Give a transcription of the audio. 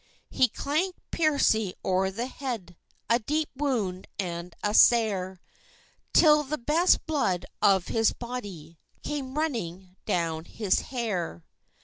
He clanked Piercy o'er the head A deep wound and a sair, Till the best blood of his body Came running down his hair.